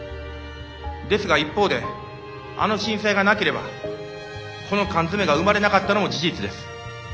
ですが一方であの震災がなければこの缶詰が生まれなかったのも事実です。